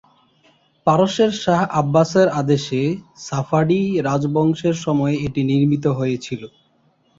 পারস্যের শাহ আব্বাসের আদেশে সাফাভি রাজবংশের সময়ে এটি নির্মিত হয়েছিল।